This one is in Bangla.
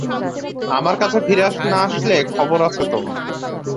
আমার কাছে ফিরে না আসলে খবর আছে তোমার।